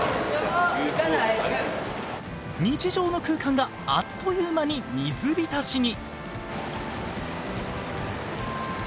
日常の空間があっという間に水浸しに！